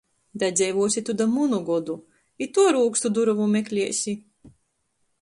Dadzeivuosi tu da munu godu, i tu ar ūkstu durovu mekliesi!